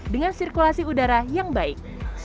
dengan sirkulasi udara yang baik